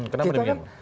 kenapa dengan itu